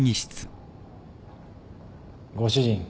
ご主人。